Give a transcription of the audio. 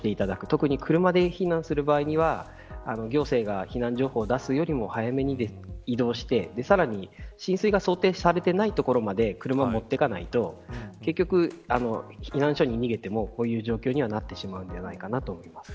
特に、車で避難する場合には行政が避難情報を出すよりも早めに移動してさらに浸水が想定されていない所まで車を持っていかないと結局、避難所に逃げてもこういう状況にはなってしまうのではないかなと思います。